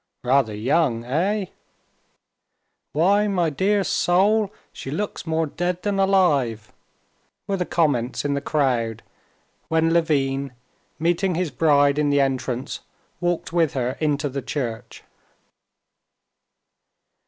"Rather young, eh?" "Why, my dear soul, she looks more dead than alive!" were the comments in the crowd, when Levin, meeting his bride in the entrance, walked with her into the church.